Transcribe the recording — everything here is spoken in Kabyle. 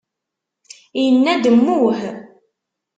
Inna-d : Mmuh!